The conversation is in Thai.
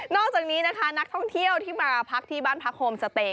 อกจากนี้นะคะนักท่องเที่ยวที่มาพักที่บ้านพักโฮมสเตย์